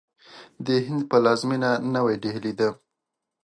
د هند پلازمینه نوی ډهلي ده.